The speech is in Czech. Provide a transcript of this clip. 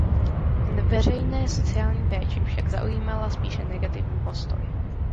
K veřejné sociální péči však zaujímala spíše negativní postoj.